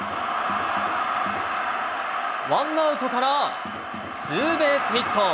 ワンアウトからツーベースヒット。